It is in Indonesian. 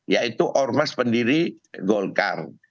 yaitu ormas pendiri golkar